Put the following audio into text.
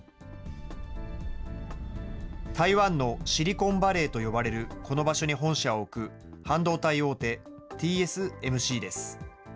台湾のシリコンバレーと呼ばれるこの場所に本社を置く半導体大手、ＴＳＭＣです。